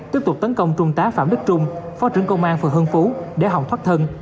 tiếp tục tấn công trung tá phạm đức trung phó trưởng công an phường hương phú để hòng thoát thân